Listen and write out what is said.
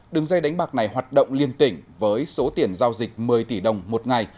đường dây đánh bạc này hoạt động liên tỉnh với số tiền giao dịch một mươi tỷ đồng một ngày